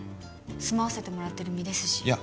住まわせてもらってる身ですしいや